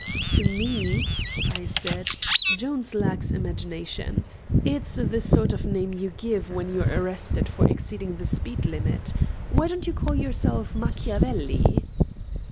"To me," I said, "'Jones' lacks imagination. It's the sort of name you give when you're arrested for exceeding the speed limit. Why don't you call yourself Machiavelli?"